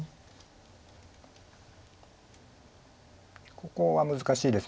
ここは難しいです。